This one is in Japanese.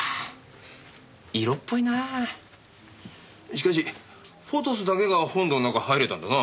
しかし『フォトス』だけが本堂の中入れたんだな。